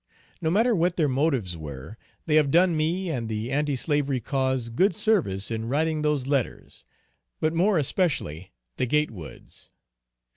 No matter what their motives were, they have done me and the anti slavery cause good service in writing those letters but more especially the Gatewood's.